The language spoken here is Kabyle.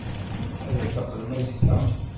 Ad d-teqqlem azekka?